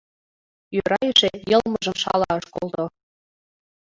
Йӧра эше, йылмыжым шала ыш колто.